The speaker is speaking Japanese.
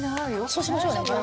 そうしましょうね。